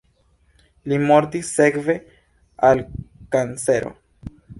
Li mortis sekve al kancero.